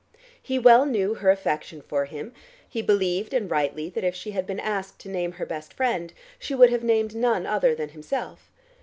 He well knew her affection for him; he believed, and rightly, that if she had been asked to name her best friend, she would have named none other than himself.